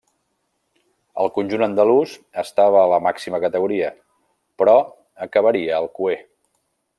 El conjunt andalús estava a la màxima categoria, però acabaria el cuer.